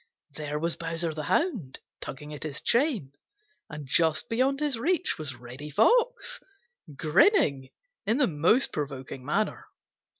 There was Bowser the Hound tugging at his chain, and just beyond his reach was Reddy Fox, grinning in the most provoking manner.